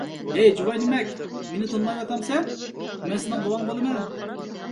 ھەي جۇۋايىنىمەك، مېنى تونۇمايۋاتامسەن، مەن سېنىڭ بوۋاڭ بولىمەن.